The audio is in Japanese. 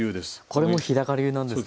これも日流なんですね。